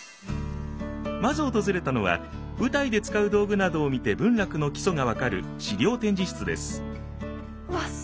まず訪れたのは舞台で使う道具などを見て文楽の基礎が分かる資料展示室です。